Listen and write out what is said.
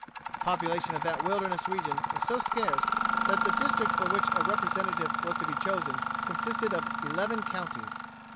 The population of that wilderness region was so scarce that the district for which a representative was to be chosen consisted of eleven counties.